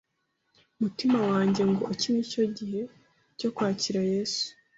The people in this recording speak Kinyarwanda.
mutima wanjye ngo iki nicyo gihe cyo kwakira Yesu